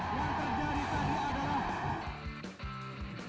yang terjadi tadi adalah